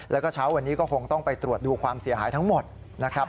แล้วก็เช้าวันนี้ก็คงต้องไปตรวจดูความเสียหายทั้งหมดนะครับ